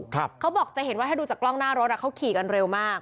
เขาบอกจะเห็นว่าถ้าดูจากกล้องหน้ารถอ่ะเขาขี่กันเร็วมาก